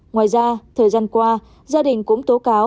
ngoài ra thời gian qua gia đình cũng tố cáo